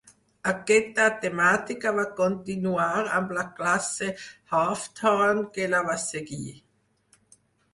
Aquesta temàtica va continuar amb la classe Hawthorn que la va seguir.